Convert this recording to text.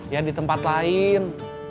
ya di tempat lain